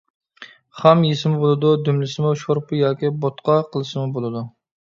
خام يېسىمۇ بولىدۇ، دۈملىسىمۇ، شورپا ياكى بوتقا قىلسىمۇ بولىدۇ.